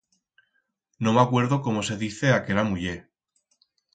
No m'acuerdo cómo se dice aquera muller.